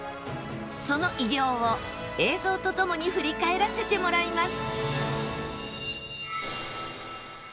その偉業を映像とともに振り返らせてもらいます